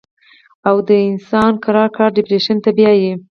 او انسان ورو ورو ډپرېشن ته بيائي